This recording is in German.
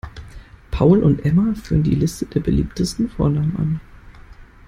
Paul und Emma führen die Liste der beliebtesten Vornamen an.